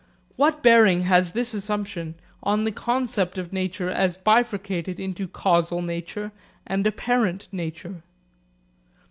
What bearing has this assumption on the concept of nature as bifurcated into causal nature and apparent nature?